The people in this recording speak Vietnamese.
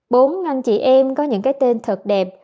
bốn ngăn chị em có những cái tên thật đẹp